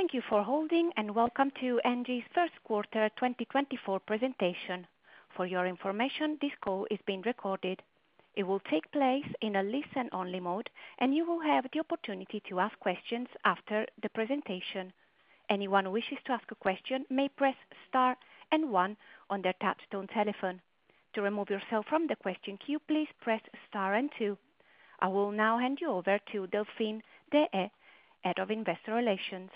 Thank you for holding, and welcome to ENGIE's first quarter 2024 presentation. For your information, this call is being recorded. It will take place in a listen-only mode, and you will have the opportunity to ask questions after the presentation. Anyone who wishes to ask a question may press star and one on their touchtone telephone. To remove yourself from the question queue, please press star and two. I will now hand you over to Delphine Deshayes, Head of Investor Relations.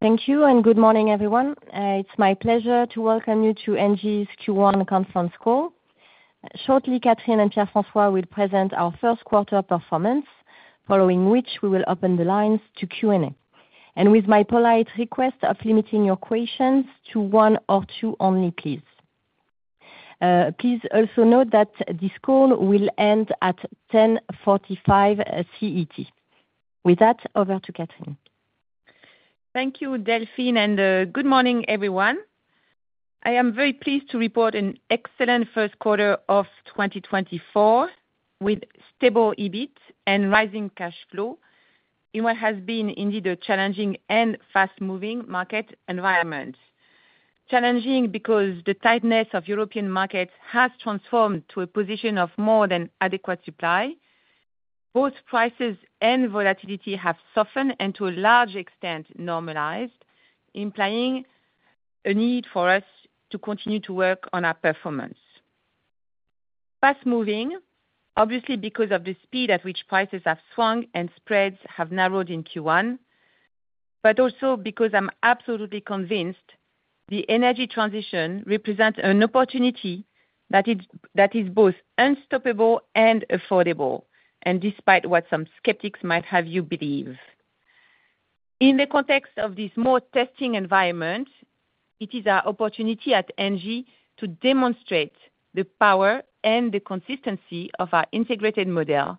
Thank you, and good morning, everyone. It's my pleasure to welcome you to ENGIE's Q1 conference call. Shortly, Catherine and Pierre-François will present our first quarter performance, following which we will open the lines to Q&A. And with my polite request of limiting your questions to one or two only, please. Please also note that this call will end at 10:45 A.M. CET. With that, over to Catherine. Thank you, Delphine, and good morning, everyone. I am very pleased to report an excellent first quarter of 2024, with stable EBIT and rising cash flow in what has been indeed a challenging and fast-moving market environment. Challenging because the tightness of European markets has transformed to a position of more than adequate supply. Both prices and volatility have softened and to a large extent normalized, implying a need for us to continue to work on our performance. Fast moving, obviously, because of the speed at which prices have swung and spreads have narrowed in Q1, but also because I'm absolutely convinced the energy transition represents an opportunity that is, that is both unstoppable and affordable, and despite what some skeptics might have you believe. In the context of this more testing environment, it is our opportunity at ENGIE to demonstrate the power and the consistency of our integrated model,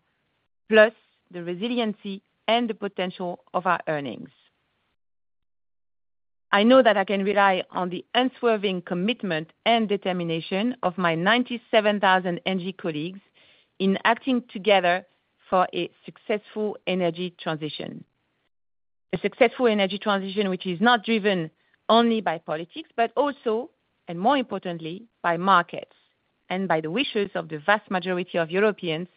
plus the resiliency and the potential of our earnings. I know that I can rely on the unswerving commitment and determination of my 97,000 ENGIE colleagues in acting together for a successful energy transition. A successful energy transition, which is not driven only by politics, but also, and more importantly, by markets and by the wishes of the vast majority of Europeans,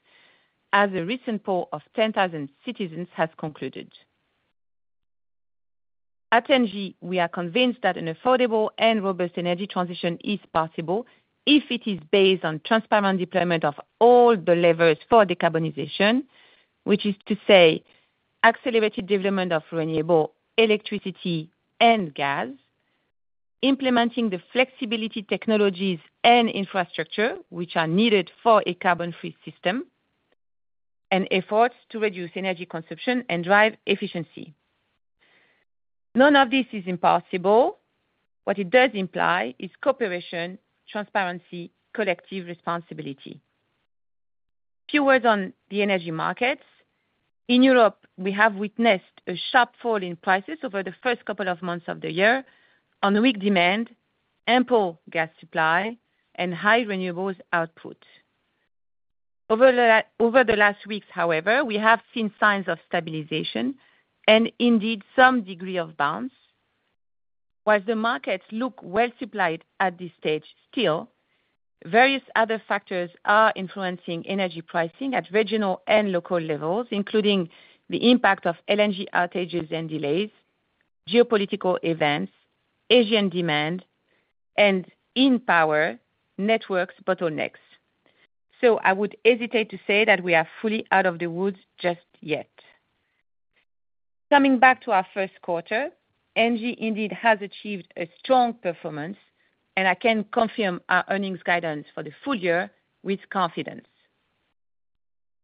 as a recent poll of 10,000 citizens has concluded. At ENGIE, we are convinced that an affordable and robust energy transition is possible if it is based on transparent deployment of all the levers for decarbonization. Which is to say, accelerated development of renewable electricity and gas, implementing the flexibility technologies and infrastructure which are needed for a carbon-free system, and efforts to reduce energy consumption and drive efficiency. None of this is impossible. What it does imply is cooperation, transparency, collective responsibility. Few words on the energy markets. In Europe, we have witnessed a sharp fall in prices over the first couple of months of the year on weak demand, ample gas supply, and high Renewables output. Over the last weeks, however, we have seen signs of stabilization and indeed some degree of bounce. While the markets look well supplied at this stage, still, various other factors are influencing energy pricing at regional and local levels, including the impact of LNG outages and delays, geopolitical events, Asian demand, and in power, Networks bottlenecks. So I would hesitate to say that we are fully out of the woods just yet. Coming back to our first quarter, ENGIE indeed has achieved a strong performance, and I can confirm our earnings guidance for the full year with confidence.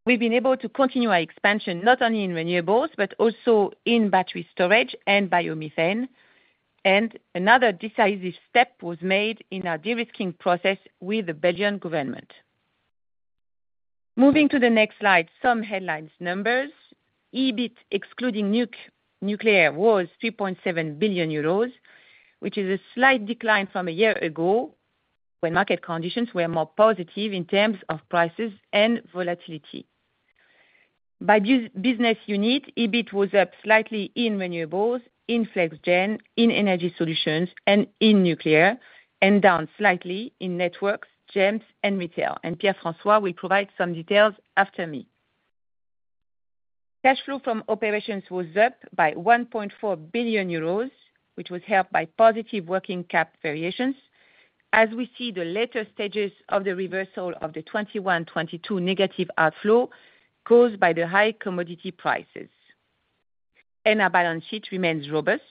We've been able to continue our expansion, not only in Renewables, but also in battery storage and biomethane, and another decisive step was made in our de-risking process with the Belgian government. Moving to the next slide, some headline numbers. EBIT, excluding Nuclear, was 3.7 billion euros, which is a slight decline from a year ago, when market conditions were more positive in terms of prices and volatility. By business unit, EBIT was up slightly in Renewables, Flex Gen, in Energy Solutions, and in Nuclear, and down slightly in Networks, GEMS, and Retail. And Pierre-François will provide some details after me. Cash flow from operations was up by 1.4 billion euros, which was helped by positive working cap variations, as we see the later stages of the reversal of the 2021, 2022 negative outflow caused by the high commodity prices. Our balance sheet remains robust.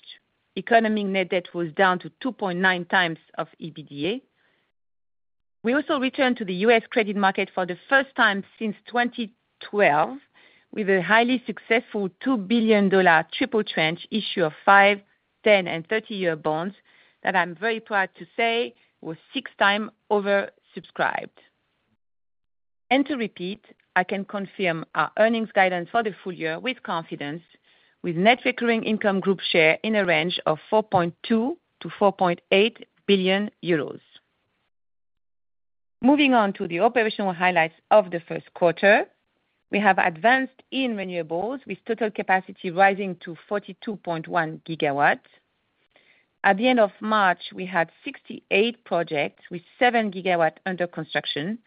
Economic net debt was down to 2.9 times of EBITDA. We also returned to the U.S. credit market for the first time since 2012, with a highly successful $2 billion triple tranche issue of 5-, 10-, and 30-year bonds that I'm very proud to say were 6 times oversubscribed. To repeat, I can confirm our earnings guidance for the full year with confidence, with net recurring income group share in a range of 4.2 billion-4.8 billion euros.... Moving on to the operational highlights of the first quarter. We have advanced in Renewables, with total capacity rising to 42.1 GW. At the end of March, we had 68 projects with 7 GW under construction.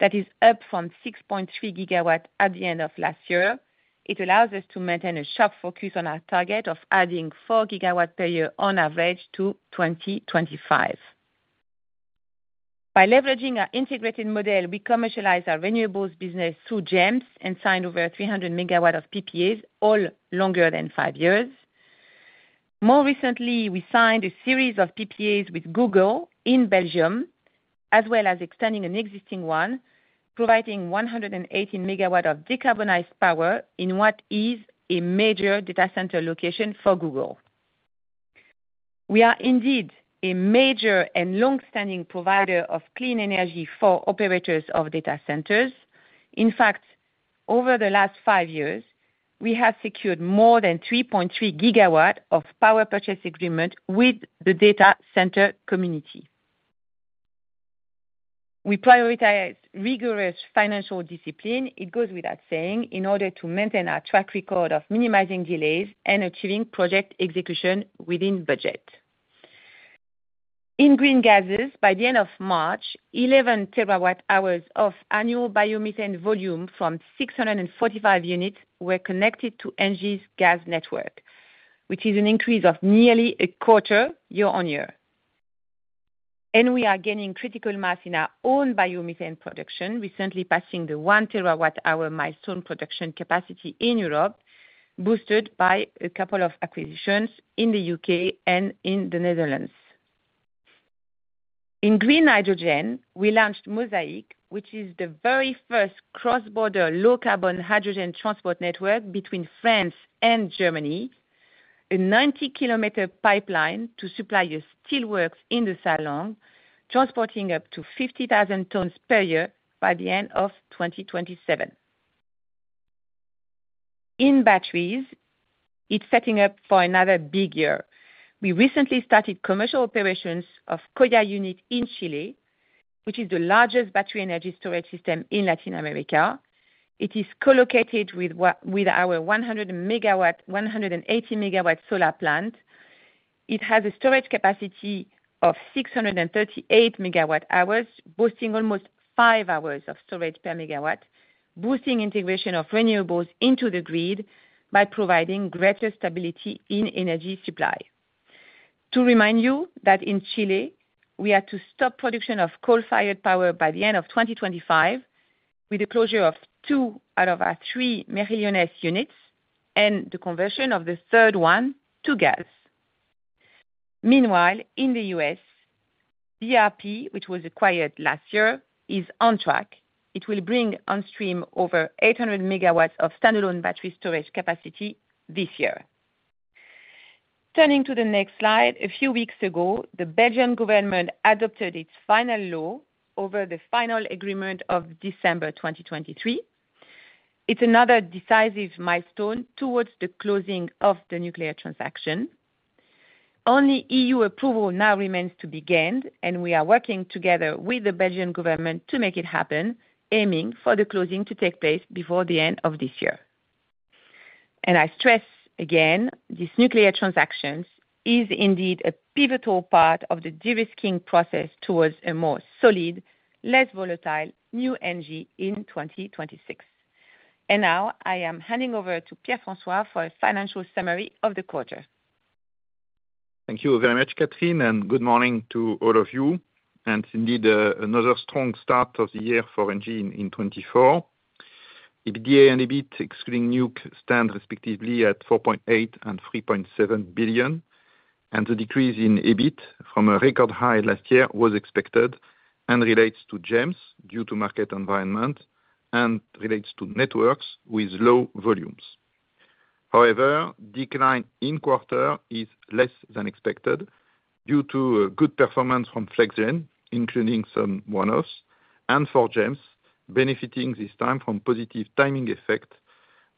That is up from 6.3 GW at the end of last year. It allows us to maintain a sharp focus on our target of adding 4 GW per year on average to 2025. By leveraging our integrated model, we commercialize our Renewables business through GEMS and signed over 300 MW of PPAs, all longer than five years. More recently, we signed a series of PPAs with Google in Belgium, as well as extending an existing one, providing 118 MW of decarbonized power in what is a major data center location for Google. We are indeed a major and long-standing provider of clean energy for operators of data centers. In fact, over the last five years, we have secured more than 3.3 GW of power purchase agreement with the data center community. We prioritize rigorous financial discipline, it goes without saying, in order to maintain our track record of minimizing delays and achieving project execution within budget. In green gases, by the end of March, 11 TWh of annual biomethane volume from 645 units were connected to ENGIE's gas network, which is an increase of nearly a quarter year-on-year. We are gaining critical mass in our own biomethane production, recently passing the 1 TWh milestone production capacity in Europe, boosted by a couple of acquisitions in the UK and in the Netherlands. In green hydrogen, we launched MosaHYc, which is the very first cross-border, low-carbon hydrogen transport network between France and Germany. A 90-kilometer pipeline to supply your steel works in Saarland, transporting up to 50,000 tons per year by the end of 2027. In batteries, it's setting up for another big year. We recently started commercial operations of Coya unit in Chile, which is the largest battery energy storage system in Latin America. It is co-located with our 100 MW, 180 MW solar plant. It has a storage capacity of 638 MWh, boasting almost five hours of storage per megawatt, boasting integration of Renewables into the grid by providing greater stability in energy supply. To remind you that in Chile, we had to stop production of coal-fired power by the end of 2025, with the closure of two out of our three Mejillones units and the conversion of the third one to gas. Meanwhile, in the U.S., BRP, which was acquired last year, is on track. It will bring on stream over 800 MW of standalone battery storage capacity this year. Turning to the next slide, a few weeks ago, the Belgian government adopted its final law over the final agreement of December 2023. It's another decisive milestone towards the closing of the Nuclear transaction. Only EU approval now remains to be gained, and we are working together with the Belgian government to make it happen, aiming for the closing to take place before the end of this year. And I stress again, this Nuclear transaction is indeed a pivotal part of the de-risking process towards a more solid, less volatile, new ENGIE in 2026. And now I am handing over to Pierre-François for a financial summary of the quarter. Thank you very much, Catherine, and good morning to all of you. And indeed, another strong start of the year for ENGIE in 2024. EBITDA and EBIT, excluding Nuclear, stand respectively at 4.8 billion and 3.7 billion, and the decrease in EBIT from a record high last year was expected and relates to GEMS due to market environment and relates to Networks with low volumes. However, decline in quarter is less than expected due to a good performance from FlexGen, including some one-offs, and for GEMS, benefiting this time from positive timing effect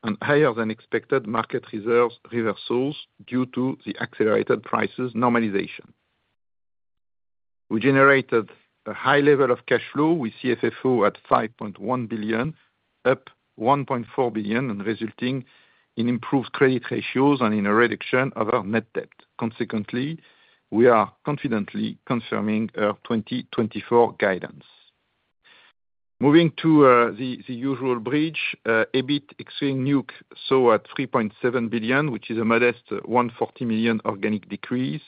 and higher than expected market reserves reversals due to the accelerated prices normalization. We generated a high level of cash flow with CFFO at 5.1 billion, up 1.4 billion, and resulting in improved credit ratios and in a reduction of our net debt. Consequently, we are confidently confirming our 2024 guidance. Moving to the usual bridge, EBITDA ex Nuclear, so at 3.7 billion, which is a modest 140 million organic decrease.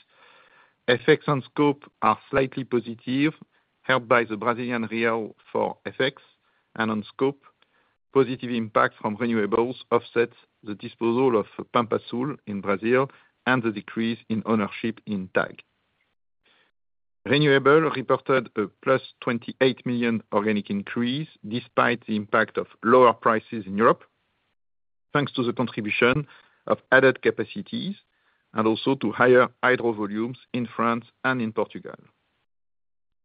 Effects on scope are slightly positive, helped by the Brazilian real for FX, and on scope, positive impact from Renewables offsets the disposal of Pampa Sul in Brazil and the decrease in ownership in TAG. Renewables reported a +28 million organic increase, despite the impact of lower prices in Europe, thanks to the contribution of added capacities and also to higher hydro volumes in France and in Portugal.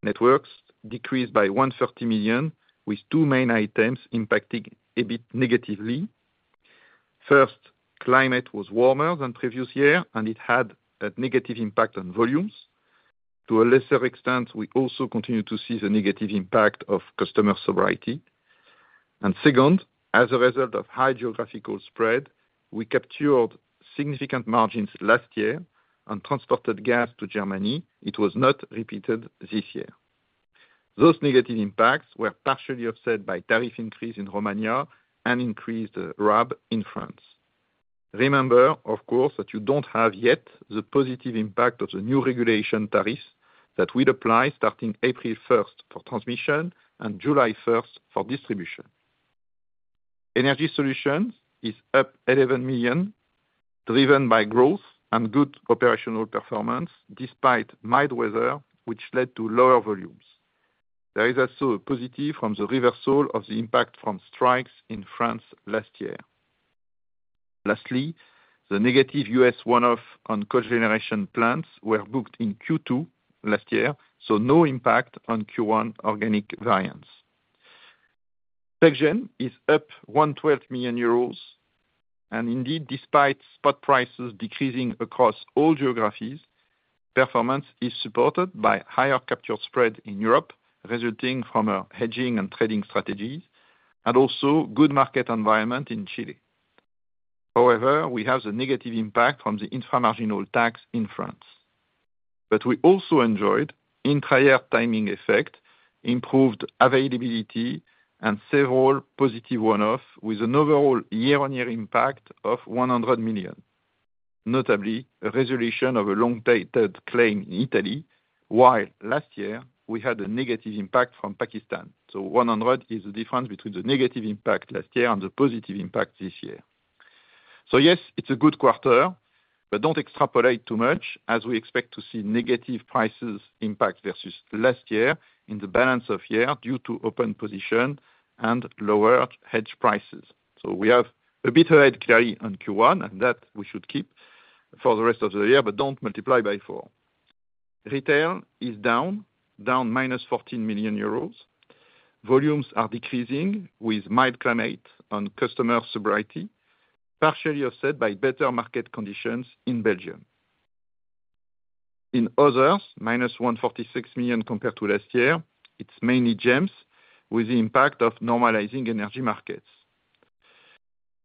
Networks decreased by 130 million, with two main items impacting a bit negatively. First, climate was warmer than previous year, and it had a negative impact on volumes. To a lesser extent, we also continue to see the negative impact of customer sobriety. Second, as a result of high geographical spread, we captured significant margins last year and transported gas to Germany. It was not repeated this year. Those negative impacts were partially offset by tariff increase in Romania and increased RAB in France. Remember, of course, that you don't have yet the positive impact of the new regulation tariffs that will apply starting April first for transmission and July first for distribution. Energy Solutions is up 11 million, driven by growth and good operational performance, despite mild weather, which led to lower volumes. There is also a positive from the reversal of the impact from strikes in France last year. Lastly, the negative U.S. one-off on cogeneration plants were booked in Q2 last year, so no impact on Q1 organic variance. GEMS is up 112 million euros, and indeed, despite spot prices decreasing across all geographies, performance is supported by higher capture spread in Europe, resulting from a hedging and trading strategy, and also good market environment in Chile. However, we have the negative impact from the infra-marginal tax in France. But we also enjoyed favorable timing effect, improved availability, and several positive one-offs, with an overall year-on-year impact of 100 million. Notably, a resolution of a long-dated claim in Italy, while last year we had a negative impact from Pakistan. So 100 is the difference between the negative impact last year and the positive impact this year. So yes, it's a good quarter, but don't extrapolate too much, as we expect to see negative prices impact versus last year in the balance of year, due to open position and lower hedge prices. So we have a better head carry on Q1, and that we should keep for the rest of the year, but don't multiply by four. Retail is down, down minus 14 million euros. Volumes are decreasing, with mild climate and customer sobriety, partially offset by better market conditions in Belgium. In others, minus 146 million compared to last year, it's mainly GEMS with the impact of normalizing energy markets.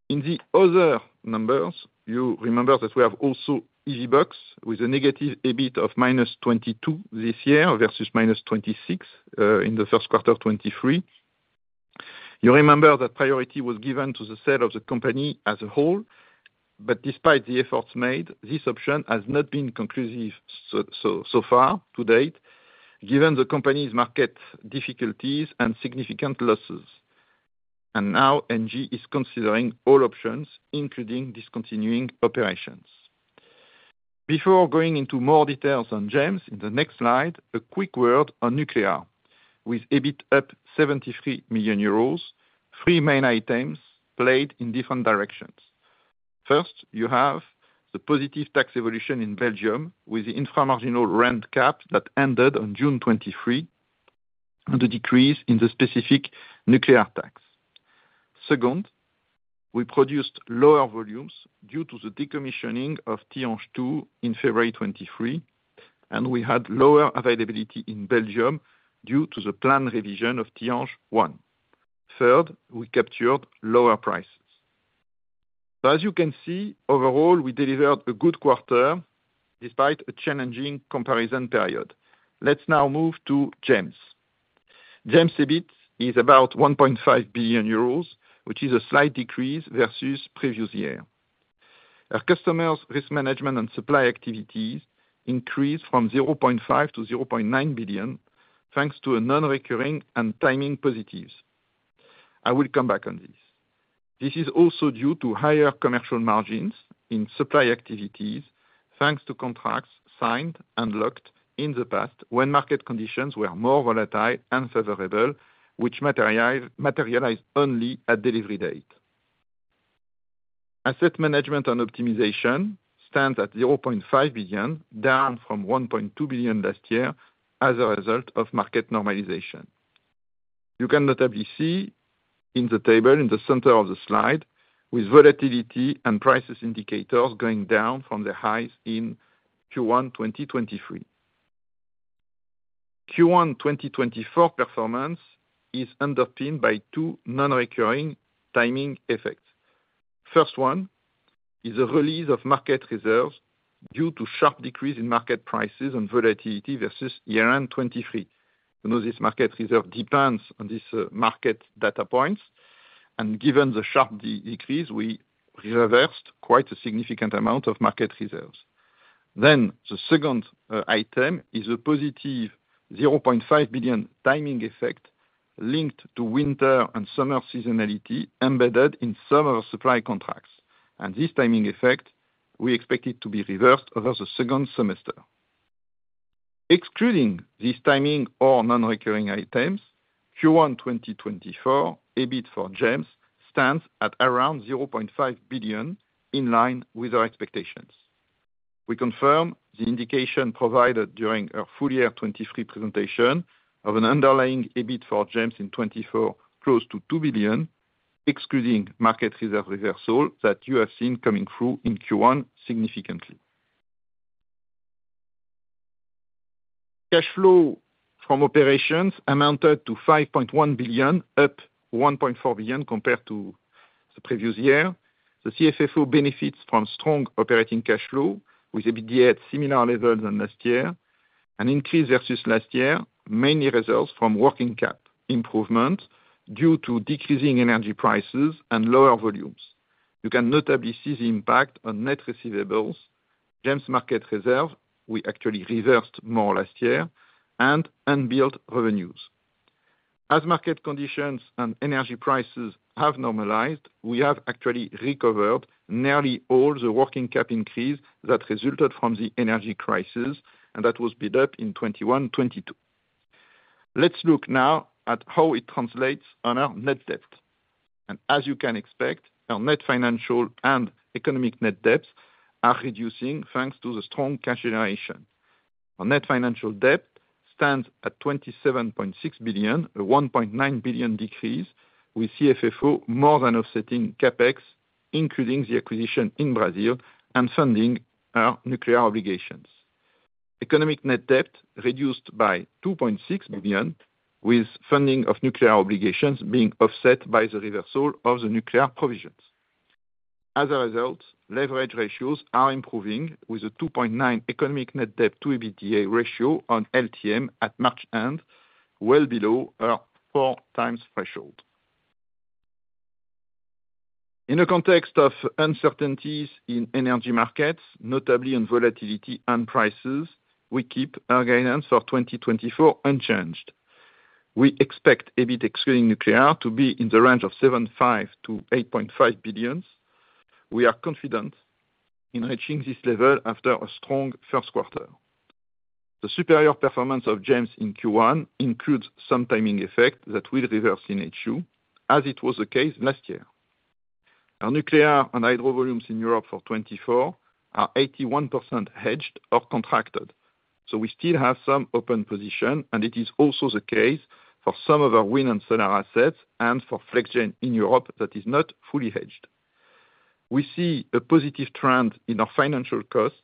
In the other numbers, you remember that we have also EVBox, with a negative EBIT of minus 22 this year, versus minus 26 in the first quarter of 2023. You remember that priority was given to the sale of the company as a whole, but despite the efforts made, this option has not been conclusive so far to date, given the company's market difficulties and significant losses. And now, ENGIE is considering all options, including discontinuing operations. Before going into more details on GEMS, in the next slide, a quick word on Nuclear. With EBIT up 73 million euros, three main items played in different directions. First, you have the positive tax evolution in Belgium, with the infra-marginal rent cap that ended on June 2023, and the decrease in the specific Nuclear tax. Second, we produced lower volumes due to the decommissioning of Tihange 2 in February 2023, and we had lower availability in Belgium due to the plan revision of Tihange 1. Third, we captured lower prices. So as you can see, overall, we delivered a good quarter despite a challenging comparison period. Let's now move to GEMS. GEMS EBIT is about 1.5 billion euros, which is a slight decrease versus previous year. Our customers' risk management and supply activities increased from 0.5 billion to 0.9 billion, thanks to a non-recurring and timing positives. I will come back on this. This is also due to higher commercial margins in supply activities, thanks to contracts signed and locked in the past when market conditions were more volatile and favorable, which materialize, materialized only at delivery date. Asset management and optimization stands at 0.5 billion, down from 1.2 billion last year as a result of market normalization. You can notably see in the table in the center of the slide, with volatility and prices indicators going down from the highs in Q1 2023. Q1 2024 performance is underpinned by two non-recurring timing effects. First one is a release of market reserves due to sharp decrease in market prices and volatility versus year-end 2023. You know, this market reserve depends on these, market data points, and given the sharp decrease, we reversed quite a significant amount of market reserves. Then, the second, item is a positive 0.5 billion timing effect linked to winter and summer seasonality, embedded in summer supply contracts. And this timing effect, we expect it to be reversed over the second semester. Excluding this timing or non-recurring items, Q1 2024 EBIT for GEMS stands at around 0.5 billion, in line with our expectations. We confirm the indication provided during our full year 2023 presentation of an underlying EBIT for GEMS in 2024, close to 2 billion, excluding market reserve reversal that you have seen coming through in Q1 significantly. Cash flow from operations amounted to 5.1 billion, up 1.4 billion compared to the previous year. The CFFO benefits from strong operating cash flow, with EBITDA at similar levels than last year. An increase versus last year, mainly results from working cap improvement due to decreasing energy prices and lower volumes. You can notably see the impact on net receivables, GEMS market reserve. We actually reversed more last year and unbuilt revenues. As market conditions and energy prices have normalized, we have actually recovered nearly all the working cap increase that resulted from the energy crisis, and that was built up in 2021, 2022. Let's look now at how it translates on our net debt. As you can expect, our net financial and economic net debts are reducing thanks to the strong cash generation. Our net financial debt stands at 27.6 billion, a 1.9 billion decrease, with CFFO more than offsetting CapEx, including the acquisition in Brazil and funding our Nuclear obligations. Economic net debt reduced by 2.6 billion, with funding of Nuclear obligations being offset by the reversal of the Nuclear provisions. As a result, leverage ratios are improving, with a 2.9 economic net debt to EBITDA ratio on LTM at March end, well below our 4x threshold. In a context of uncertainties in energy markets, notably on volatility and prices, we keep our guidance for 2024 unchanged. We expect EBIT, excluding Nuclear, to be in the range of 7.5 billion-8.5 billion. We are confident in reaching this level after a strong first quarter. The superior performance of GEMS in Q1 includes some timing effect that will reverse in H2, as it was the case last year. Our Nuclear and hydro volumes in Europe for 2024 are 81% hedged or contracted, so we still have some open position, and it is also the case for some of our wind and solar assets and Flex Gen in Europe that is not fully hedged. We see a positive trend in our financial costs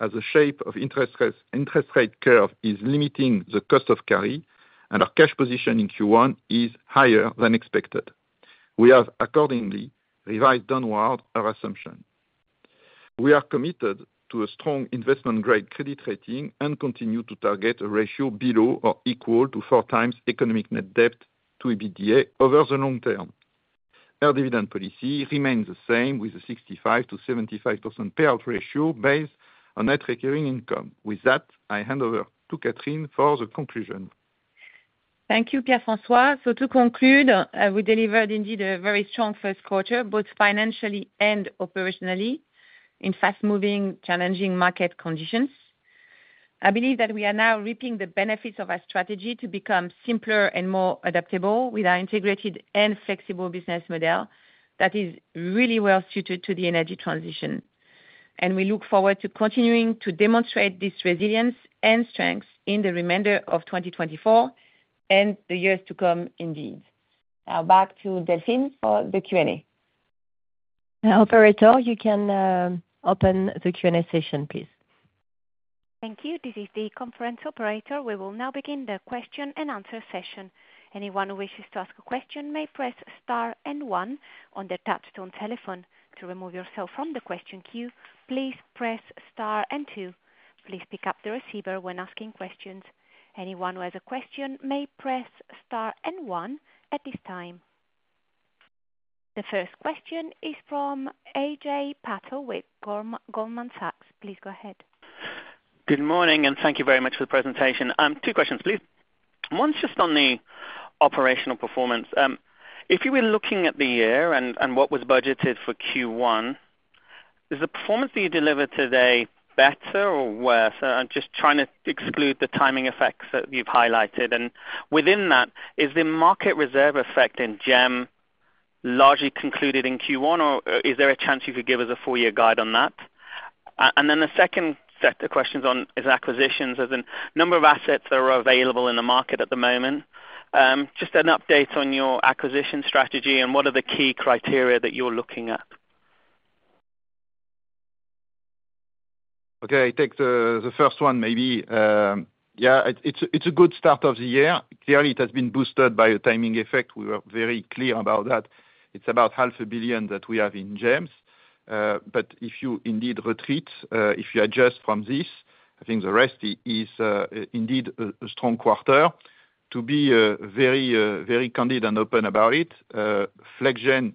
as the shape of interest rate, interest rate curve is limiting the cost of carry, and our cash position in Q1 is higher than expected. We have accordingly revised downward our assumption. We are committed to a strong investment grade credit rating and continue to target a ratio below or equal to 4x economic net debt to EBITDA over the long term. Our dividend policy remains the same, with a 65%-75% payout ratio based on net recurring income. With that, I hand over to Catherine for the conclusion. Thank you, Pierre-François. So to conclude, we delivered indeed a very strong first quarter, both financially and operationally, in fast moving, challenging market conditions. I believe that we are now reaping the benefits of our strategy to become simpler and more adaptable with our integrated and flexible business model that is really well suited to the energy transition. We look forward to continuing to demonstrate this resilience and strength in the remainder of 2024, and the years to come, indeed. Now, back to Delphine for the Q&A. Operator, you can open the Q&A session, please. Thank you. This is the conference operator. We will now begin the question-and-answer session. Anyone who wishes to ask a question, may press star and one on their touchtone telephone. To remove yourself from the question queue, please press star and two. Please pick up the receiver when asking questions. Anyone who has a question may press star and one at this time. The first question is from Ajay Patel with Goldman Sachs. Please go ahead. Good morning, and thank you very much for the presentation. Two questions, please. One, just on the operational performance. If you were looking at the year and, and what was budgeted for Q1, is the performance that you delivered today better or worse? I'm just trying to exclude the timing effects that you've highlighted. And within that, is the market reserve effect in GEM largely concluded in Q1, or is there a chance you could give us a full year guide on that? And then the second set of questions on acquisitions. There's a number of assets that are available in the market at the moment. Just an update on your acquisition strategy and what are the key criteria that you're looking at? Okay, I take the first one maybe. Yeah, it's a good start of the year. Clearly, it has been boosted by a timing effect. We were very clear about that. It's about 500 million that we have in GEMS. But if you indeed retreat, if you adjust from this, I think the rest is indeed a strong quarter. To be very candid and open about Flex Gen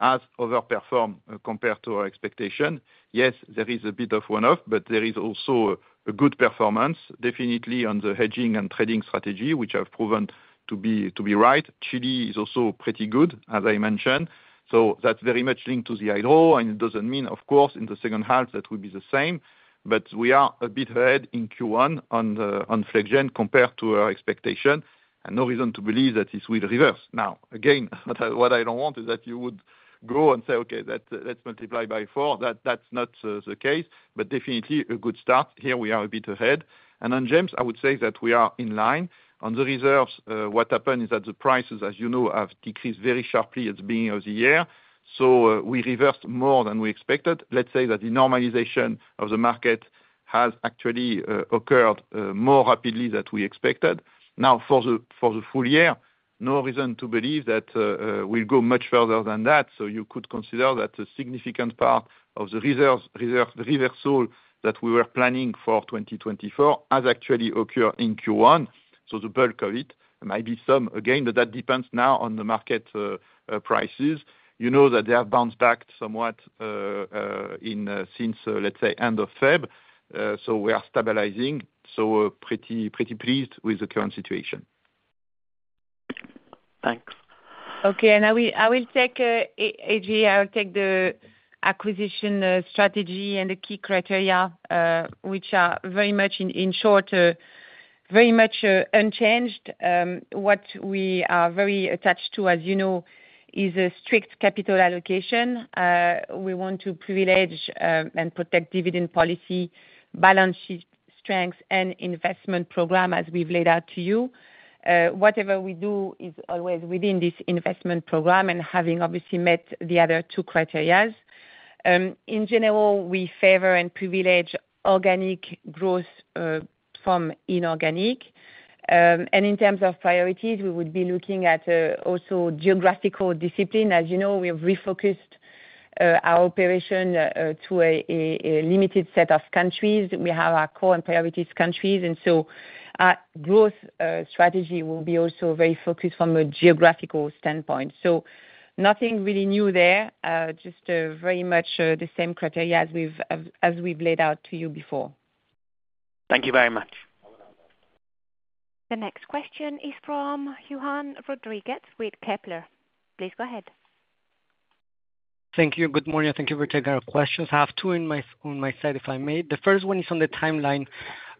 has overperformed compared to our expectation. Yes, there is a bit of one-off, but there is also a good performance definitely on the hedging and trading strategy, which have proven to be right. Chile is also pretty good, as I mentioned, so that's very much linked to the hydro, and it doesn't mean, of course, in the second half, that will be the same. But we are a bit ahead in Q1 Flex Gen, compared to our expectation, and no reason to believe that this will reverse. Now, again, what I don't want is that you would go and say, "Okay, let's multiply by four." That's not the case, but definitely a good start. Here we are a bit ahead. And on GEMS, I would say that we are in line. On the reserves, what happened is that the prices, as you know, have decreased very sharply at the beginning of the year, so we reversed more than we expected. Let's say that the normalization of the market has actually occurred more rapidly than we expected. Now, for the full year, no reason to believe that we'll go much further than that, so you could consider that a significant part of the reserves, the reversal that we were planning for 2024 has actually occurred in Q1, so the bulk of it might be some. Again, but that depends now on the market prices. You know, that they have bounced back somewhat in since let's say end of February. So we are stabilizing, so we're pretty pleased with the current situation. Thanks. Okay. And Ajay, I will take the acquisition strategy and the key criteria, which are very much in short, very much unchanged. What we are very attached to, as you know, is a strict capital allocation. We want to privilege and protect dividend policy, balance sheet strength, and investment program, as we've laid out to you. Whatever we do is always within this investment program and having obviously met the other two criteria. In general, we favor and privilege organic growth from inorganic. And in terms of priorities, we would be looking at also geographical discipline. As you know, we have refocused our operation to a limited set of countries. We have our core and priorities countries, and so our growth strategy will be also very focused from a geographical standpoint. So nothing really new there, just very much the same criteria as we've laid out to you before. Thank you very much. The next question is from Juan Rodriguez with Kepler. Please go ahead. Thank you. Good morning. Thank you for taking our questions. I have two on my side, if I may. The first one is on the timeline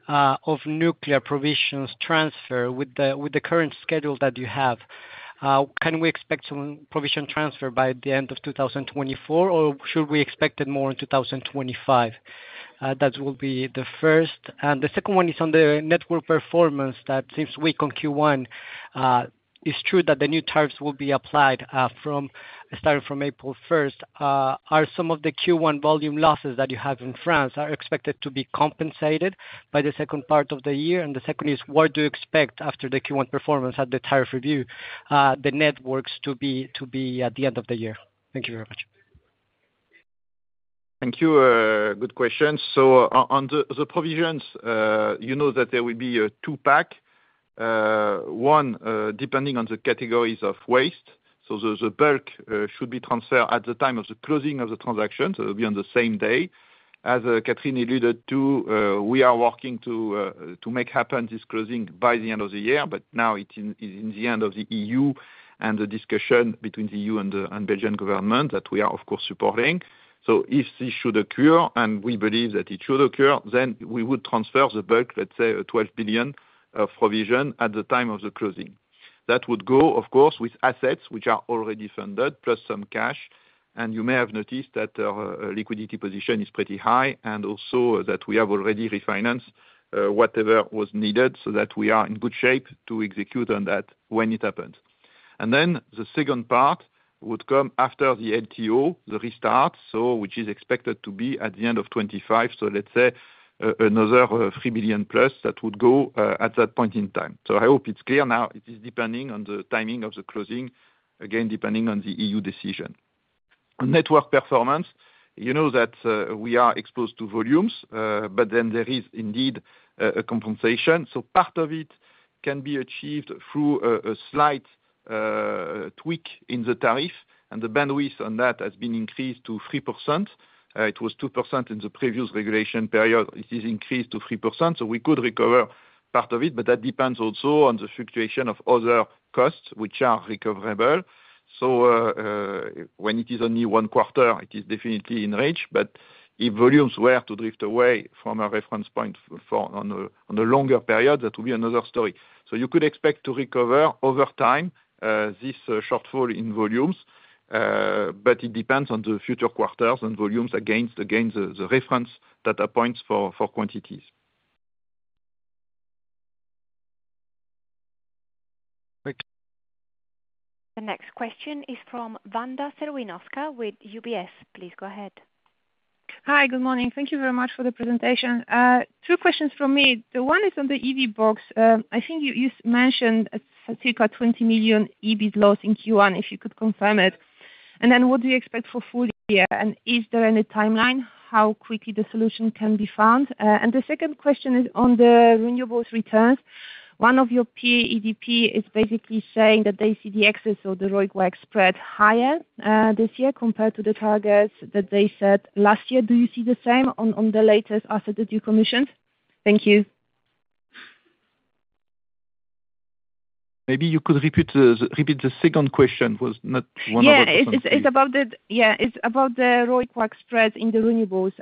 of Nuclear provisions transfer with the current schedule that you have. Can we expect some provision transfer by the end of 2024, or should we expect it more in 2025? That will be the first. And the second one is on the network performance that seems weak on Q1. It's true that the new tariffs will be applied from starting from April 1. Are some of the Q1 volume losses that you have in France expected to be compensated by the second part of the year? The second is, what do you expect after the Q1 performance at the tariff review, the Networks to be, to be at the end of the year? Thank you very much. Thank you. Good question. So on the provisions, you know, that there will be a two-pack. One, depending on the categories of waste, so the bulk should be transferred at the time of the closing of the transaction, so it'll be on the same day. As Catherine alluded to, we are working to make happen this closing by the end of the year, but now it's in the hands of the EU and the discussion between the EU and the Belgian government, that we are of course supporting. So if this should occur, and we believe that it should occur, then we would transfer the bulk, let's say, 12 billion of provision at the time of the closing. That would go, of course, with assets which are already funded, plus some cash. You may have noticed that our liquidity position is pretty high, and also that we have already refinanced whatever was needed, so that we are in good shape to execute on that when it happens. Then the second part would come after the LTO, the restart, so which is expected to be at the end of 2025. So let's say another 3 billion plus that would go at that point in time. So I hope it's clear now. It is depending on the timing of the closing, again, depending on the EU decision. On network performance, you know, that we are exposed to volumes, but then there is indeed a compensation. So part of it can be achieved through a slight tweak in the tariff, and the bandwidth on that has been increased to 3%. It was 2% in the previous regulation period. It is increased to 3%, so we could recover part of it, but that depends also on the fluctuation of other costs, which are recoverable. So, when it is only one quarter, it is definitely in reach, but if volumes were to drift away from a reference point for, on a longer period, that will be another story. So you could expect to recover over time, this shortfall in volumes, but it depends on the future quarters and volumes against the reference data points for quantities. Thank- The next question is from Wanda Serwinowska with UBS. Please go ahead. Hi, good morning. Thank you very much for the presentation. Two questions from me. The one is on the EVBox. I think you, you mentioned circa 20 million loss in Q1, if you could confirm it. And then what do you expect for full year, and is there any timeline, how quickly the solution can be found? And the second question is on the Renewables returns. One of your peer, EDP, is basically saying that they see the excess of the ROIC spread higher, this year compared to the targets that they set last year. Do you see the same on, on the latest asset, the due commissions? Thank you. Maybe you could repeat the second question, was not one of them- Yeah, it's about the ROIC spread in the Renewables.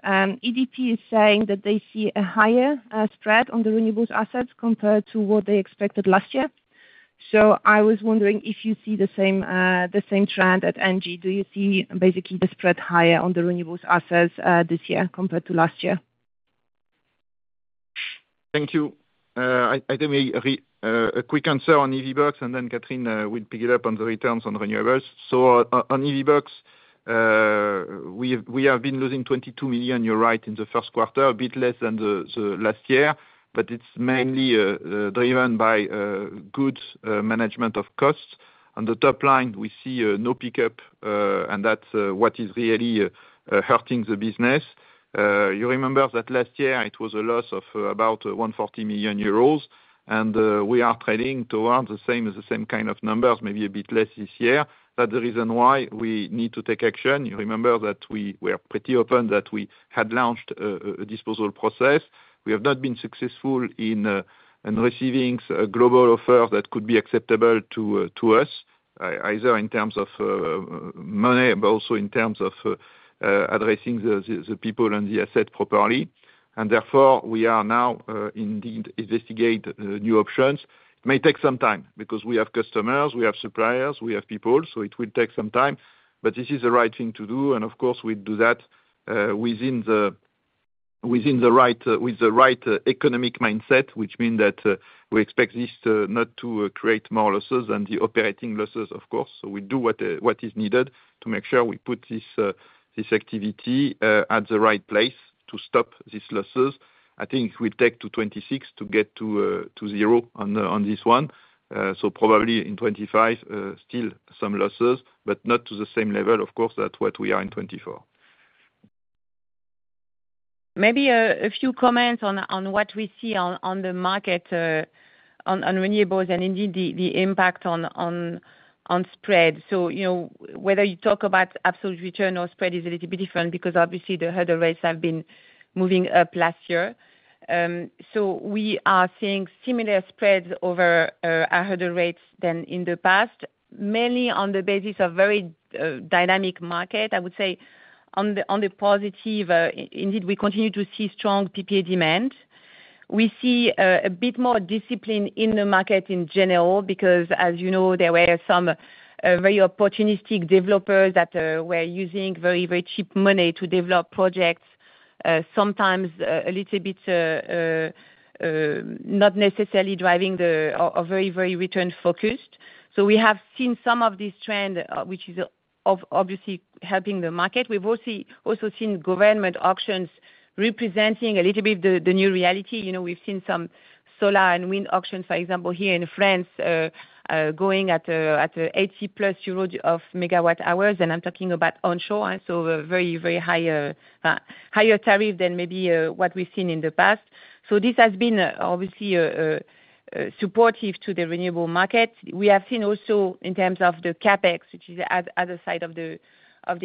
EDP is saying that they see a higher spread on the Renewables assets compared to what they expected last year. So I was wondering if you see the same trend at ENGIE. Do you see basically the spread higher on ther Renewables assets this year compared to last year? Thank you. I think we a quick answer on EVBox, and then Catherine will pick it up on the returns on Renewables. So on EVBox, we have been losing 22 million, you're right, in the first quarter, a bit less than the last year, but it's mainly driven by good management of costs. On the top line, we see no pickup, and that's what is really hurting the business. You remember that last year it was a loss of about 140 million euros, and we are trending towards the same kind of numbers, maybe a bit less this year. That's the reason why we need to take action. You remember that we are pretty open, that we had launched a disposal process. We have not been successful in receiving a global offer that could be acceptable to us, either in terms of money, but also in terms of addressing the people and the asset properly. And therefore, we are now indeed investigate new options. It may take some time, because we have customers, we have suppliers, we have people, so it will take some time, but this is the right thing to do, and of course, we do that within the right economic mindset, which mean that we expect this not to create more losses than the operating losses, of course. So we do what is needed to make sure we put this activity at the right place to stop these losses. I think it will take to 2026 to get to zero on this one. So probably in 2025, still some losses, but not to the same level, of course, that what we are in 2024. Maybe a few comments on what we see on the market on Renewables and indeed the impact on spread. So, you know, whether you talk about absolute return or spread is a little bit different, because obviously the hurdle rates have been moving up last year. So we are seeing similar spreads over our hurdle rates than in the past, mainly on the basis of very dynamic market. I would say on the positive indeed, we continue to see strong PPA demand. We see a bit more discipline in the market in general, because as you know, there were some very opportunistic developers that were using very, very cheap money to develop projects, sometimes a little bit not necessarily driving the, or very, very return focused. So we have seen some of this trend, which is obviously helping the market. We've also seen government auctions representing a little bit the new reality. You know, we've seen some solar and wind auctions, for example, here in France, going at a 80+ euros per MWh, and I'm talking about onshore, so very, very higher tariff than maybe what we've seen in the past. So this has been obviously supportive to the renewable market. We have seen also in terms of the CapEx, which is at the other side of the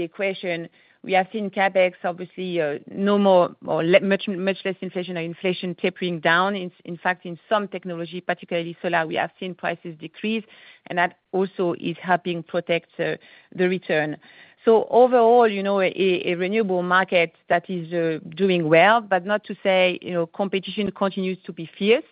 equation, we have seen CapEx, obviously, no more or much less inflation or inflation tapering down. In fact, in some technology, particularly solar, we have seen prices decrease, and that also is helping protect the return. So overall, you know, a renewable market that is doing well, but not to say, you know, competition continues to be fierce.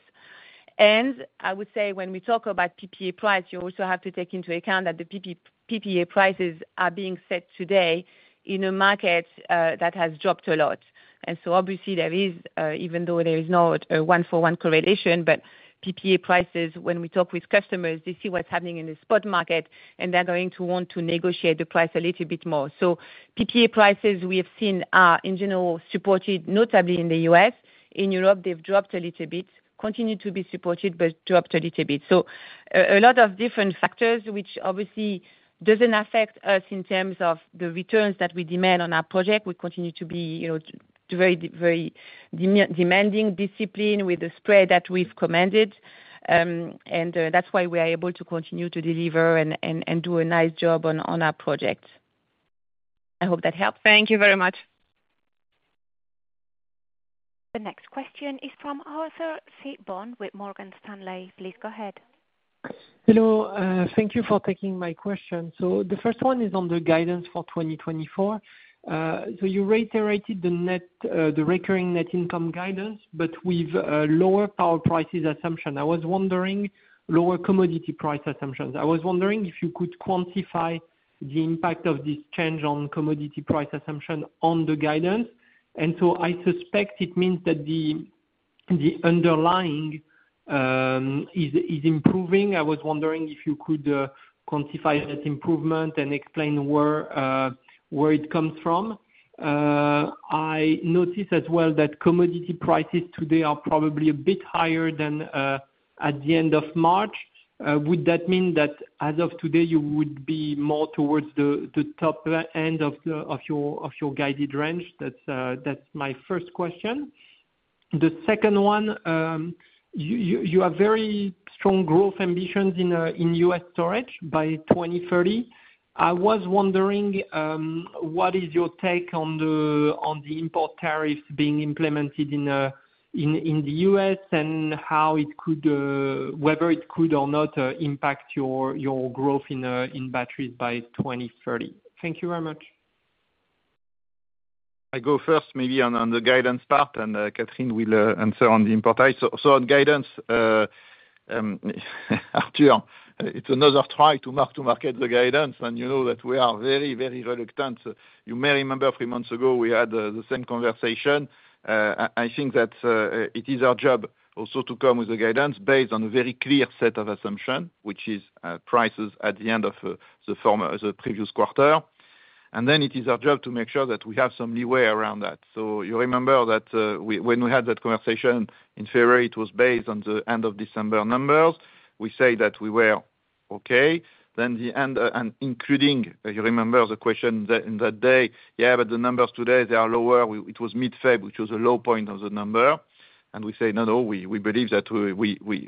And I would say when we talk about PPA price, you also have to take into account that the PPA prices are being set today in a market that has dropped a lot. And so obviously there is even though there is not a one-for-one correlation, but PPA prices, when we talk with customers, they see what's happening in the spot market, and they're going to want to negotiate the price a little bit more. So PPA prices, we have seen, are in general supported, notably in the U.S. In Europe, they've dropped a little bit, continued to be supported, but dropped a little bit. So a lot of different factors, which obviously doesn't affect us in terms of the returns that we demand on our project. We continue to be, you know, very, very demanding discipline with the spread that we've commanded. And that's why we are able to continue to deliver and do a nice job on our project. I hope that helped. Thank you very much. The next question is from Arthur Sitbon with Morgan Stanley. Please go ahead. Hello, thank you for taking my question. So the first one is on the guidance for 2024. So you reiterated the net, the recurring net income guidance, but with a lower power prices assumption. I was wondering, lower commodity price assumptions. I was wondering if you could quantify the impact of this change on commodity price assumption on the guidance, and so I suspect it means that the, the underlying, is, is improving. I was wondering if you could quantify that improvement and explain where, where it comes from. I noticed as well that commodity prices today are probably a bit higher than, at the end of March. Would that mean that as of today, you would be more towards the, the top end of the, of your, of your guided range? That's, that's my first question. The second one, you have very strong growth ambitions in U.S. storage by 2030. I was wondering, what is your take on the import tariffs being implemented in the U.S. and how it could, whether it could or not, impact your growth in batteries by 2030? Thank you very much. I go first maybe on, on the guidance part, and, Catherine will, answer on the import side. So, so on guidance, Arthur, it's another try to mark, to market the guidance, and you know that we are very, very reluctant. You may remember a few months ago we had, the same conversation. I, I think that, it is our job also to come with the guidance based on a very clear set of assumption, which is, prices at the end of, the former, the previous quarter. And then it is our job to make sure that we have some leeway around that. So you remember that, when we had that conversation in February, it was based on the end of December numbers. We say that we were okay, then the end, and including, if you remember the question that in that day, yeah, but the numbers today, they are lower. It was mid-Feb, which was a low point of the number, and we say, "No, no, we,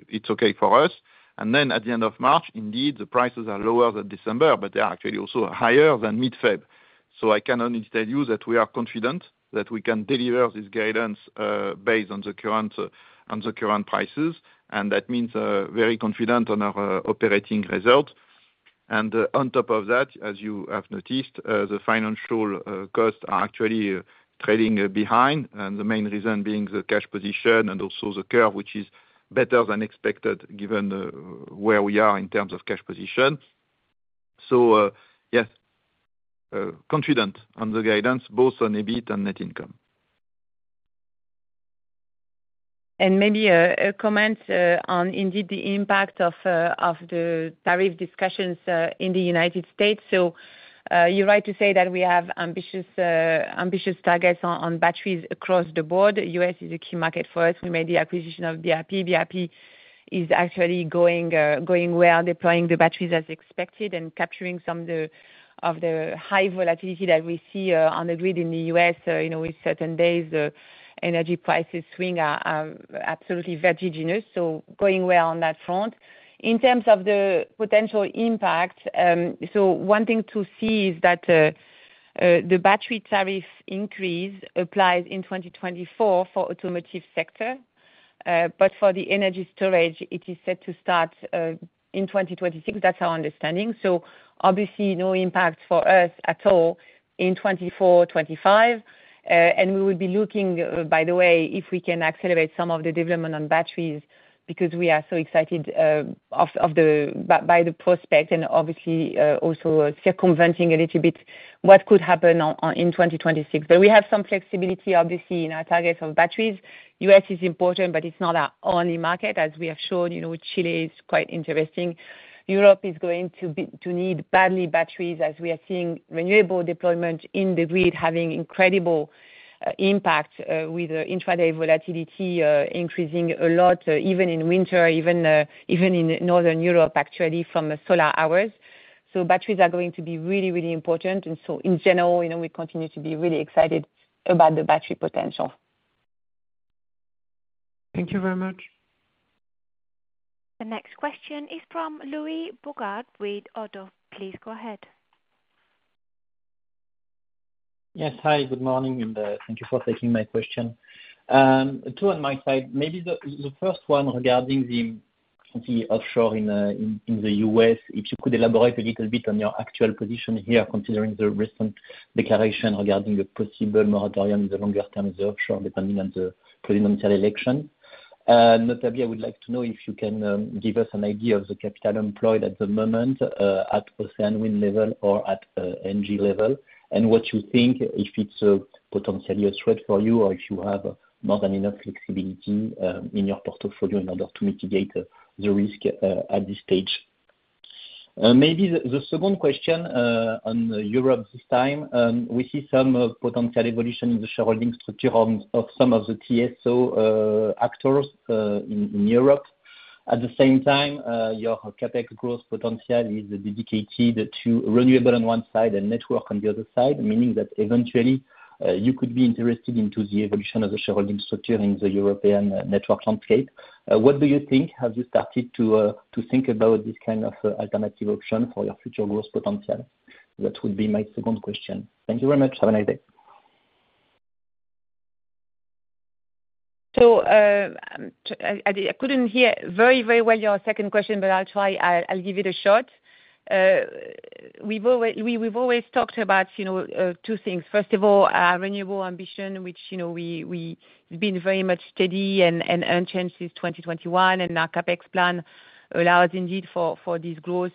it's okay for us." And then at the end of March, indeed, the prices are lower than December, but they are actually also higher than mid-Feb. So I can only tell you that we are confident that we can deliver this guidance, based on the current, on the current prices, and that means, very confident on our, operating result. On top of that, as you have noticed, the financial costs are actually trailing behind, and the main reason being the cash position and also the curve, which is better than expected, given where we are in terms of cash position. So, yes, confident on the guidance, both on EBIT and net income. Maybe, a comment on indeed the impact of, of the tariff discussions in the United States. So, you're right to say that we have ambitious, ambitious targets on, on batteries across the board. US is a key market for us. We made the acquisition of BRP. BRP is actually going, going well, deploying the batteries as expected and capturing some of the, of the high volatility that we see on the grid in the US. You know, with certain days, the energy prices swing are, are absolutely vertiginous, so going well on that front. In terms of the potential impact, so one thing to see is that the battery tariff increase applies in 2024 for automotive sector. But for the energy storage, it is set to start in 2026. That's our understanding. So obviously, no impact for us at all in 2024, 2025. And we will be looking, by the way, if we can accelerate some of the development on batteries, because we are so excited by the prospect, and obviously, also circumventing a little bit what could happen in 2026. But we have some flexibility, obviously, in our targets on batteries. U.S. is important, but it's not our only market. As we have shown, you know, Chile is quite interesting. Europe is going to need badly batteries, as we are seeing renewable deployment in the grid, having incredible impact with intraday volatility increasing a lot, even in winter, even in Northern Europe, actually, from the solar hours. So batteries are going to be really, really important. In general, you know, we continue to be really excited about the battery potential. Thank you very much. The next question is from Louis Boujard with Oddo. Please go ahead. Yes, hi, good morning, and thank you for taking my question. Two on my side, maybe the first one regarding the offshore in the US. If you could elaborate a little bit on your actual position here, considering the recent declaration regarding the possible moratorium in the longer term of the offshore, depending on the presidential election. And notably, I would like to know if you can give us an idea of the capital employed at the moment at Ocean Winds level or at ENGIE level, and what you think, if it's potentially a threat for you, or if you have more than enough flexibility in your portfolio in order to mitigate the risk at this stage. Maybe the second question on Europe this time. We see some potential evolution in the shareholding structure on of some of the TSO actors in Europe. At the same time, your CapEx growth potential is dedicated to renewable on one side and network on the other side, meaning that eventually you could be interested into the evolution of the shareholding structure in the European network landscape. What do you think? Have you started to think about this kind of alternative option for your future growth potential? That would be my second question. Thank you very much. Have a nice day. So, I couldn't hear very, very well your second question, but I'll try, I'll give it a shot. We've always talked about, you know, two things. First of all, our renewable ambition, which, you know, we've been very much steady and unchanged since 2021, and our CapEx plan allows indeed for this growth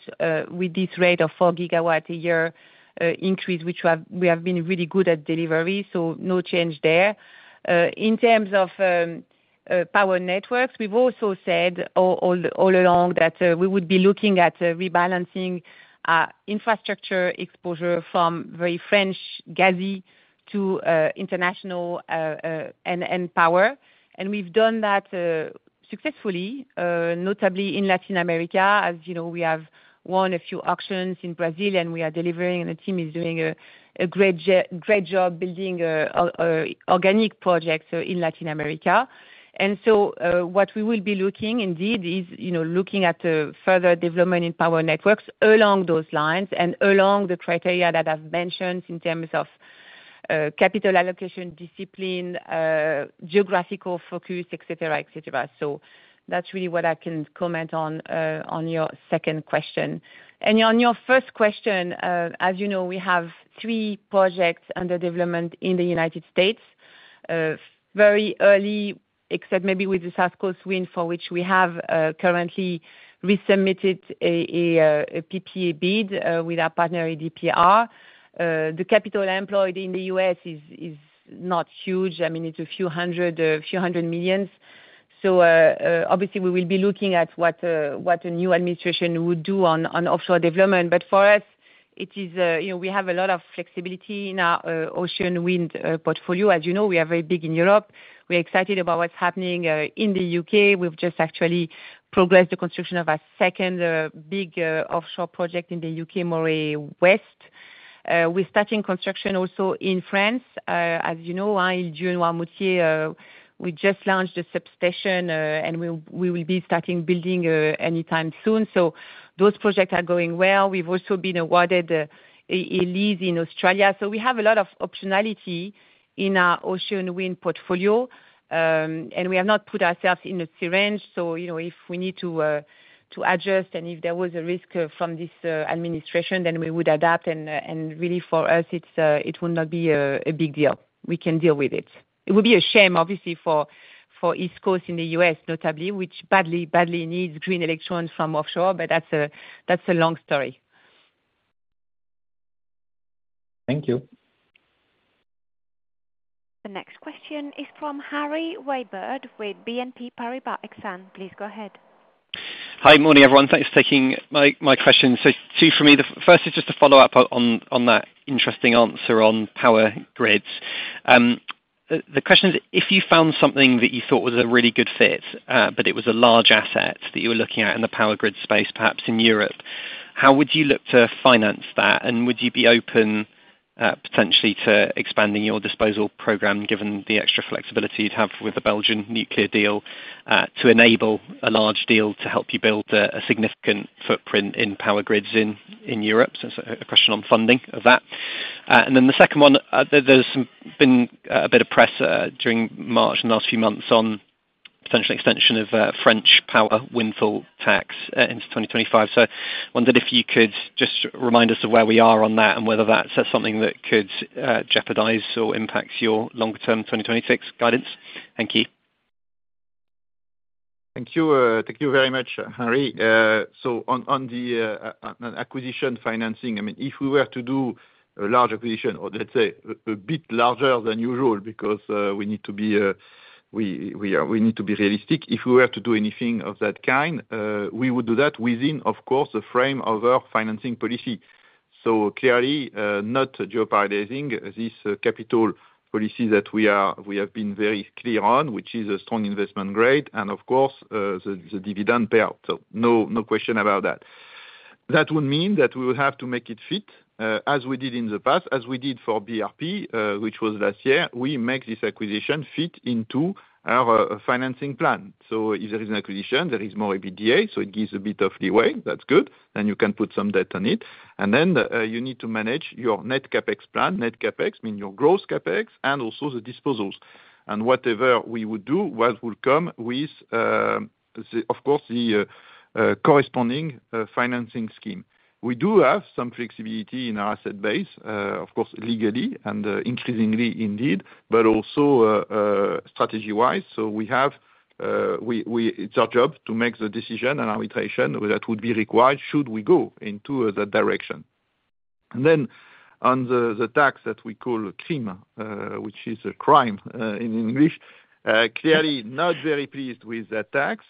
with this rate of 4 GW a year increase, which we have been really good at delivery, so no change there. In terms of power Networks, we've also said all along that we would be looking at rebalancing infrastructure exposure from very French gassy to international and power. And we've done that successfully, notably in Latin America. As you know, we have won a few auctions in Brazil, and we are delivering, and the team is doing a great job building organic projects in Latin America. And so, what we will be looking indeed is, you know, looking at a further development in power Networks along those lines and along the criteria that I've mentioned in terms of capital allocation, discipline, geographical focus, et cetera, et cetera. So that's really what I can comment on your second question. And on your first question, as you know, we have three projects under development in the United States, very early, except maybe with the South Coast Wind, for which we have currently resubmitted a PPA bid with our partner EDPR. The capital employed in the U.S. is not huge. I mean, it's a few hundred million EUR. So, obviously we will be looking at what a new administration would do on offshore development. But for us, it is, you know, we have a lot of flexibility in our Ocean Winds portfolio. As you know, we are very big in Europe. We're excited about what's happening in the U.K. We've just actually progressed the construction of our second big offshore project in the U.K., Moray West. We're starting construction also in France. As you know, in June last year, we just launched a substation, and we will be starting building anytime soon. So those projects are going well. We've also been awarded a lease in Australia, so we have a lot of optionality in our offshore wind portfolio. And we have not put ourselves in a syndicate, so, you know, if we need to adjust, and if there was a risk from this administration, then we would adapt. And really for us, it would not be a big deal. We can deal with it. It would be a shame, obviously, for East Coast in the U.S., notably, which badly needs green electrons from offshore, but that's a long story. Thank you. The next question is from Harry Wyburd, with BNP Paribas Exane. Please go ahead. Hi, morning, everyone. Thanks for taking my questions. So two for me. The first is just a follow-up on that interesting answer on power grids. The question is, if you found something that you thought was a really good fit, but it was a large asset that you were looking at in the power grid space, perhaps in Europe, how would you look to finance that? And would you be open, potentially to expanding your disposal program, given the extra flexibility you'd have with the Belgian Nuclear deal, to enable a large deal to help you build a significant footprint in power grids in Europe? So a question on funding of that. And then the second one, there's been a bit of press during March, in the last few months, on potential extension of French power windfall tax into 2025. So wondered if you could just remind us of where we are on that, and whether that's something that could jeopardize or impact your longer term 2026 guidance? Thank you. Thank you, thank you very much, Harry. So on the acquisition financing, I mean, if we were to do a large acquisition, or let's say a bit larger than usual, because we need to be realistic. If we were to do anything of that kind, we would do that within, of course, the frame of our financing policy. So clearly, not jeopardizing this capital policy that we have been very clear on, which is a strong investment grade, and of course, the dividend payout. So no, no question about that. That would mean that we would have to make it fit, as we did in the past, as we did for BRP, which was last year. We make this acquisition fit into our financing plan. So if there is an acquisition, there is more EBITDA, so it gives a bit of leeway. That's good, and you can put some debt on it. And then you need to manage your net CapEx plan. Net CapEx mean your gross CapEx, and also the disposals. And whatever we would do, what will come with, of course, the corresponding financing scheme. We do have some flexibility in our asset base, of course, legally and increasingly indeed, but also strategy-wise. So we have, we-- It's our job to make the decision and arbitration that would be required, should we go into that direction. And then on the tax that we call CRIM, which is a CRIM in English, clearly not very pleased with the tax.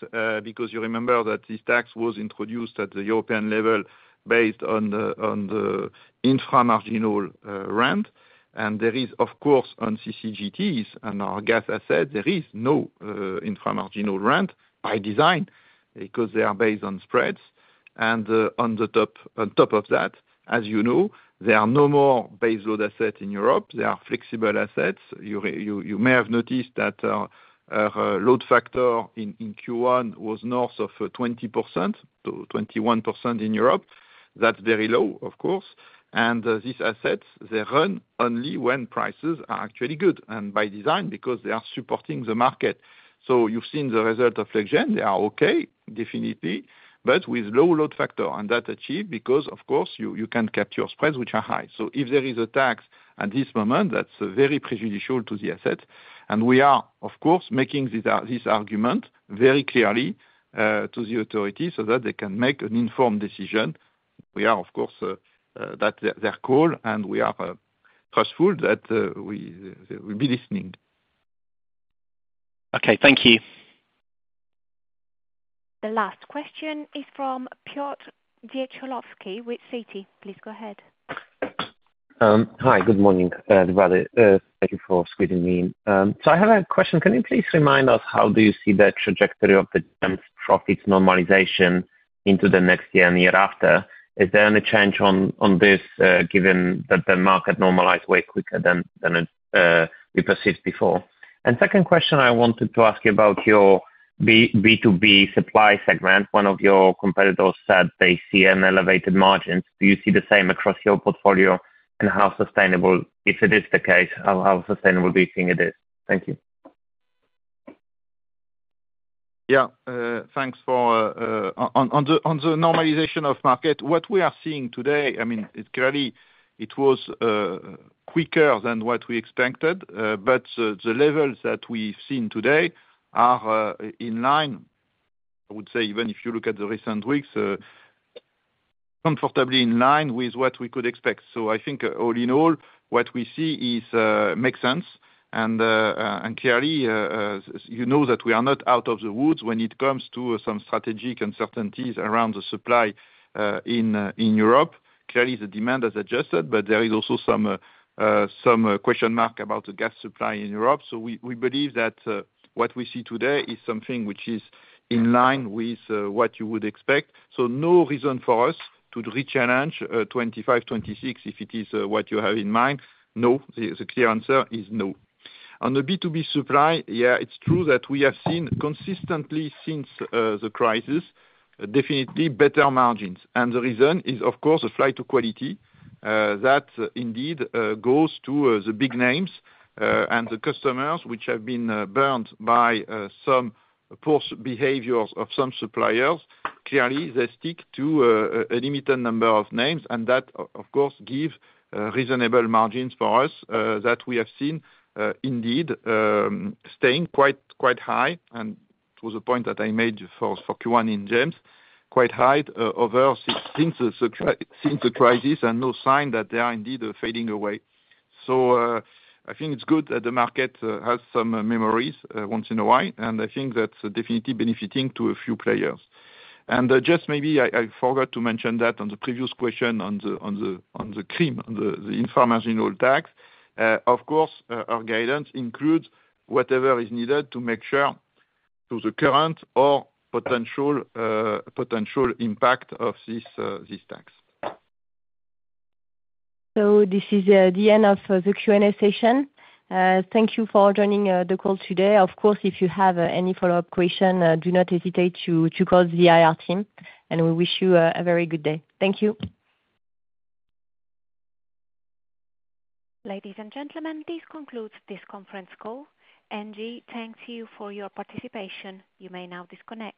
Because you remember that this tax was introduced at the European level based on the, on the infra-marginal, rent. And there is, of course, on CCGTs, on our gas asset, there is no, infra-marginal rent by design, because they are based on spreads. And, on the top, on top of that, as you know, there are no more base load assets in Europe, they are flexible assets. You may have noticed that, load factor in Q1 was north of, twenty percent to twenty-one percent in Europe. That's very low, of course, and, these assets, they run only when prices are actually good, and by design, because they are supporting the market. So you've seen the result Flex Gen, they are okay, definitely, but with low load factor. And that's achieved because, of course, you can capture your spreads, which are high. So if there is a tax at this moment, that's very prejudicial to the asset, and we are, of course, making this argument very clearly to the authorities, so that they can make an informed decision. We are, of course, that's their call, and we are trustful that we'll be listening. Okay. Thank you. The last question is from Piotr Dzieciolowski, with Citi. Please go ahead. Hi, good morning, everybody. Thank you for squeezing me in. So I have a question. Can you please remind us, how do you see the trajectory of the profits normalization into the next year and year after? Is there any change on this, given that the market normalized way quicker than it we perceived before? And second question, I wanted to ask you about your B2B supply segment. One of your competitors said they see an elevated margins. Do you see the same across your portfolio? And how sustainable, if it is the case, how sustainable do you think it is? Thank you. ... Yeah, thanks for on the normalization of the market, what we are seeing today. I mean, it clearly was quicker than what we expected, but the levels that we've seen today are in line. I would say, even if you look at the recent weeks, comfortably in line with what we could expect. So I think all in all, what we see is makes sense, and clearly, you know, that we are not out of the woods when it comes to some strategic uncertainties around the supply in Europe. Clearly, the demand has adjusted, but there is also some question mark about the gas supply in Europe. So we believe that what we see today is something which is in line with what you would expect. So no reason for us to re-challenge 25, 26, if it is what you have in mind. No, the clear answer is no. On the B2B supply, yeah, it's true that we have seen consistently since the crisis, definitely better margins. And the reason is, of course, a flight to quality that indeed goes to the big names and the customers which have been burnt by some poor behaviors of some suppliers. Clearly, they stick to a limited number of names, and that, of course, gives reasonable margins for us that we have seen indeed staying quite high, and to the point that I made for Q1, indeed quite high, even since the crisis, and no sign that they are indeed fading away. So, I think it's good that the market has some memories once in a while, and I think that's definitely benefiting to a few players. And just maybe I forgot to mention that on the previous question on the CRIM, the tax. Of course, our guidance includes whatever is needed to make sure to the current or potential impact of this tax. So this is the end of the Q&A session. Thank you for joining the call today. Of course, if you have any follow-up question, do not hesitate to call the IR team, and we wish you a very good day. Thank you. Ladies and gentlemen, this concludes this conference call. ENGIE thanks you for your participation. You may now disconnect.